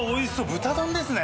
豚丼ですね。